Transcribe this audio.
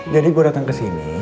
jadi gua datang kesini